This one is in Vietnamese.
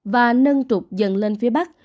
và nâng trục dần lên phía bắc